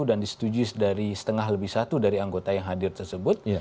dan disetujui dari setengah lebih satu dari anggota yang hadir tersebut